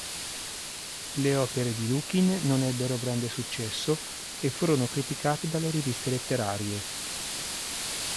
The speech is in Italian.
Le opere di Lukin non ebbero grande successo e furono criticate dalle riviste letterarie.